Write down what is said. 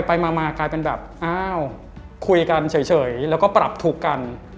ไปมากลายเป็นแบบอ้าวคุยกันเฉยแล้วก็ปรับทุกข์กัน